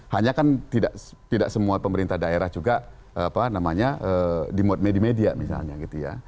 hanya kan tidak semua pemerintah daerah juga di media media misalnya gitu ya